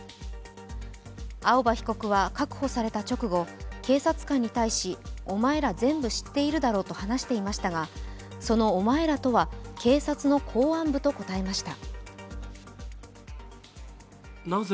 青葉被告は確保された直後、警察官に対し、お前ら全部知っているだろうと話していましたが、その「お前ら」とは、警察の公安部と答えました。